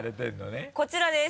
こちらです。